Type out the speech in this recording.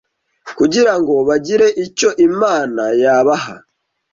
kugirango bagire icyo imana ya baha